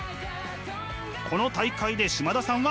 この大会で嶋田さんは。